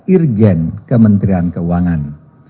tiga irjen kementerian keuangan